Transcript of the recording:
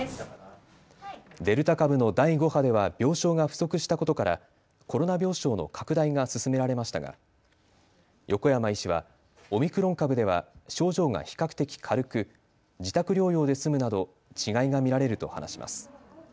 デルタ株の第５波では病床が不足したことからコロナ病床の拡大が進められましたが横山医師はオミクロン株では症状が比較的軽く自宅療養で済むなど違いが見られると話します。